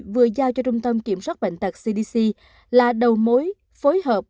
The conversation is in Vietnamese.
vừa giao cho trung tâm kiểm soát bệnh tật cdc là đầu mối phối hợp